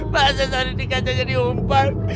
masa sani dikacau jadi umpan